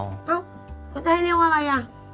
ว่าจะได้เรียกว่าอะไร